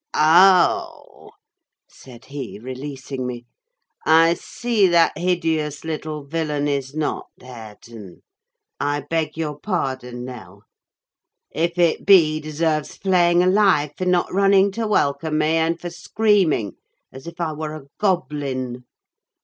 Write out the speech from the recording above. "Oh!" said he, releasing me, "I see that hideous little villain is not Hareton: I beg your pardon, Nell. If it be, he deserves flaying alive for not running to welcome me, and for screaming as if I were a goblin.